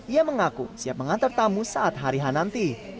ia mengaku siap mengantar tamu saat harihan nanti